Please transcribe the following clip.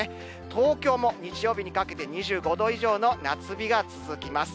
東京も日曜日にかけて、２５度以上の夏日が続きます。